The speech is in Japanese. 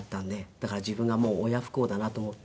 だから自分が親不孝だなと思って。